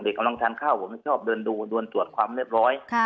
กำลังทานข้าวผมชอบเดินดูเดินตรวจความเรียบร้อย